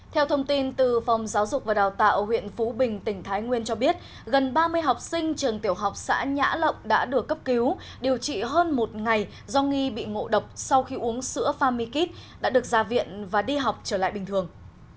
theo thông tin từ phòng giáo dục và đào tạo huyện phú bình tỉnh thái nguyên cho biết gần ba mươi học sinh trường tiểu học xã nhã lộng đã được cấp cứu điều trị hơn một ngày do nghi bị ngộ độc sau khi uống sữa famikit đã được ra viện và đi học trở lại bình thường